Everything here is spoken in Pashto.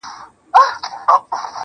په يبلو پښو روان سو.